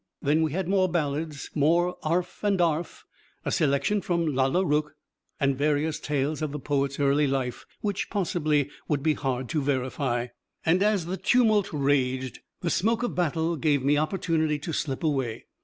Then we had more ballads, more 'arf and 'arf, a selection from "Lalla Rookh," and various tales of the poet's early life, which possibly would be hard to verify. And as the tumult raged, the smoke of battle gave me opportunity to slip away.